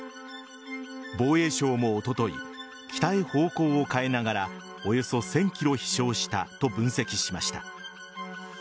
防衛省も、おととい北へ方向を変えながらおよそ１０００ｋｍ飛翔したと分析しました。